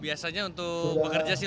biasanya untuk bekerja sih